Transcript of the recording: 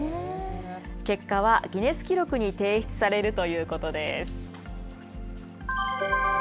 結果はギネス記録に提出されるということです。